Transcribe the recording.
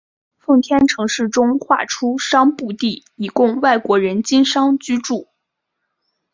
奉天城市中划出商埠地以供外国人经商居住。